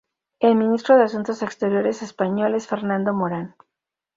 El Ministro de Asuntos Exteriores español es Fernando Morán.